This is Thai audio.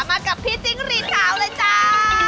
มากับพี่จิ้งรีดขาวเลยจ้า